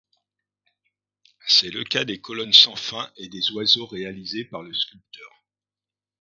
C'est le cas des Colonnes sans fin et des oiseaux réalisés par le sculpteur.